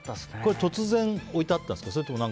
突然置いてあったんですか？